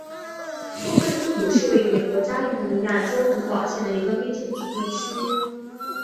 库克斯谷是位于美国加利福尼亚州洪堡县的一个非建制地区。